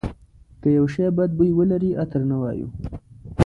که یو شی بد بوی ولري عطر نه وایو.